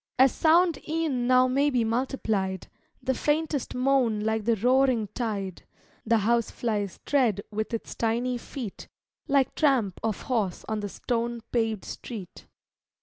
As sound e'en now may be multiplied; The faintest moan like the roaring tide; The housefly's tread with its tiny feet Like tramp of horse on the stone paved street.